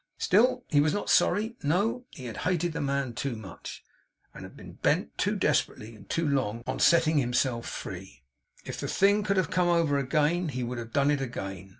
Still he was not sorry. No. He had hated the man too much, and had been bent, too desperately and too long, on setting himself free. If the thing could have come over again, he would have done it again.